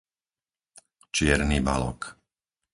Čierny Balog